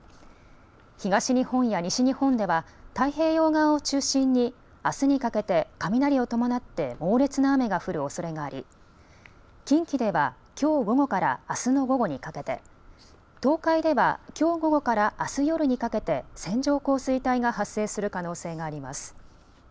東日本や西日本では太平洋側を中心にあすにかけて雷を伴って猛烈な雨が降るおそれがあり近畿ではきょう午後からあすの午後にかけて、東海ではきょう午後からあす夜にかけて線状降水帯が発生する可能性があります。